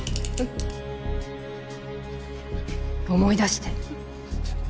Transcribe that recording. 思い出して。